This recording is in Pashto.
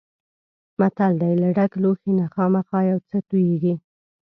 متل دی: له ډک لوښي نه خامخا یو څه تویېږي.